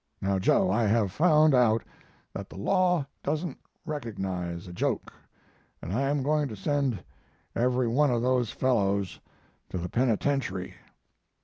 Now, Joe, I have found out that the law doesn't recognize a joke, and I am going to send every one of those fellows to the penitentiary.'